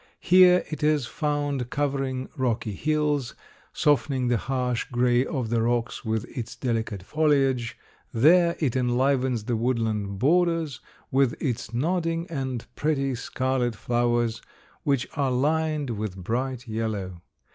Here it is found covering rocky hills, softening the harsh gray of the rocks with its delicate foliage; there it enlivens the woodland borders with its nodding and pretty scarlet flowers, which are lined with bright yellow.